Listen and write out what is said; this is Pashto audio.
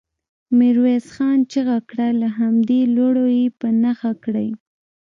ميرويس خان چيغه کړه! له همدې لوړو يې په نښه کړئ.